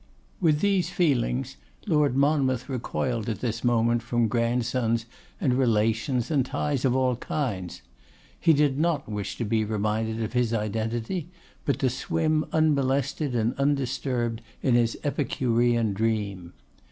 With these feelings, Lord Monmouth recoiled at this moment from grandsons and relations and ties of all kinds. He did not wish to be reminded of his identity, but to swim unmolested and undisturbed in his Epicurean dream.